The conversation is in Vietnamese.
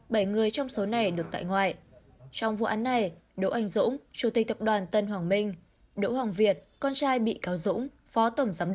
tám bị cáo thuộc tập đoàn tân hoàng minh gồm